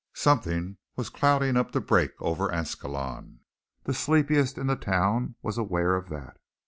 Something was clouding up to break over Ascalon; the sleepiest in the town was aware of that.